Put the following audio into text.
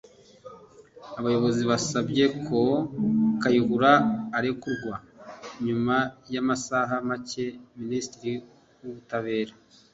Abayobozi basabye ko Kayihura arekurwa nyuma y’amasaha make Minisitiri w’Ubutabera